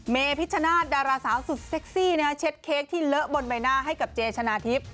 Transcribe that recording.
เมพิชชนาธิดาราสาวสุดเซ็กซี่เช็ดเค้กที่เลอะบนใบหน้าให้กับเจชนะทิพย์